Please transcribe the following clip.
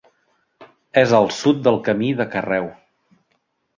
És al sud del Camí de Carreu.